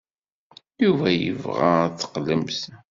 Yuba yebɣa ad d-teqqlemt.